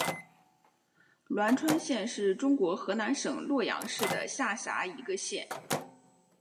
栾川县是中国河南省洛阳市的下辖一个县。